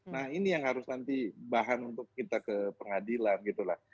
nah ini yang harus nanti bahan untuk kita ke pengadilan gitu lah